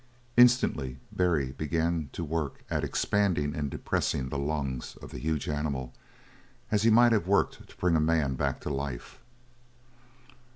Instantly, Barry began to work at expanding and depressing the lungs of the huge animal as he might have worked to bring a man back to life.